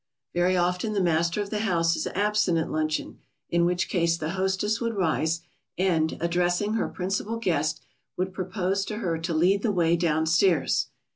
] Very often the master of the house is absent at luncheon, in which case the hostess would rise, and, addressing her principal guest, would propose to her to lead the way downstairs.